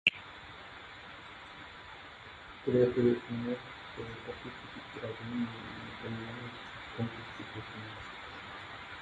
Требует множество попыток, исправлений и понимания тонкостей персонажа.